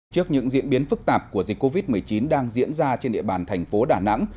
trước những diễn biến phức tạp của dịch covid một mươi chín đang diễn ra trên địa bàn thành phố đà nẵng